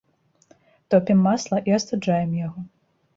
Топім масла і астуджаем яго.